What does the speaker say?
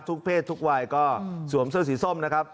เพศทุกวัยก็สวมเสื้อสีส้มนะครับ